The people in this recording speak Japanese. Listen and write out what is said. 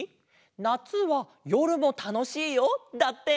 「夏はよるもたのしいよ」だって！